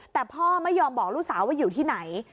แต่พ่อไม่ยอมบอกลูกสาวว่าอยู่ที่ไหน